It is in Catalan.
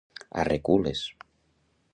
A recules.